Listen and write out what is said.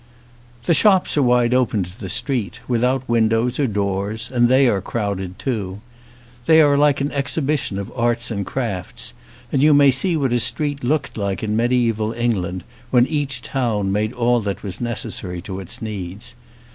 The shops are wide open to the street, without windows or doors, and they are crowded too. They are like an exhibition of arts and crafts, and you may see what a street looked like in medieval England when each town made all that was neces sary to its needs.